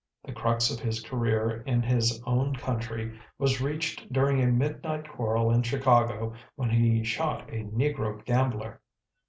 The crux of his career in his own country was reached during a midnight quarrel in Chicago when he shot a negro gambler.